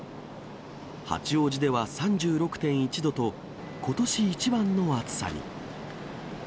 八王子では３６．１度と、ことし一番の暑さに。